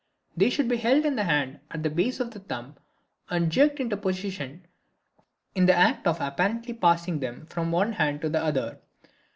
They should be held in the hand at the base of the thumb and jerked into position in the act of apparently passing them from one hand to the other.